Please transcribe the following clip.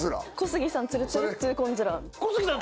小杉さん